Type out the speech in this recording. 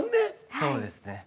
そうですね。